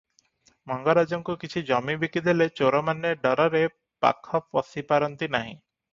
ମଙ୍ଗରାଜଙ୍କୁ କିଛି ଜମି ବିକିଦେଲେ ଚୋରମାନେ ଡରରେ ପାଖ ପଶିପାରନ୍ତି ନାହିଁ ।